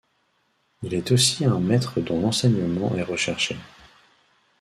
Il est aussi un maître dont l’enseignement est recherché.